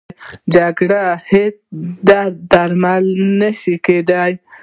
جګړه د هېڅ درد درمل نه شي کېدی